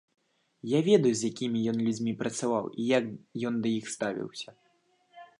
Я ведаю з якімі ён людзьмі працаваў і як ён да іх ставіўся.